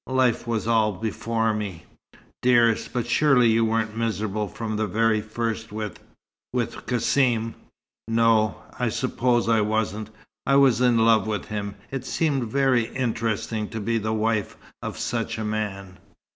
Life was all before me." "Dearest! But surely you weren't miserable from the very first, with with Cassim?" "No o. I suppose I wasn't. I was in love with him. It seemed very interesting to be the wife of such a man.